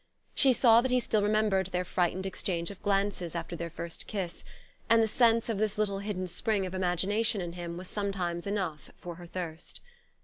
She saw that he still remembered their frightened exchange of glances after their first kiss; and the sense of this little hidden spring of imagination in him was sometimes enough for her thirst.